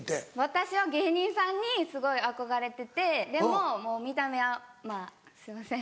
私は芸人さんにすごい憧れててでももう見た目はまぁすいません。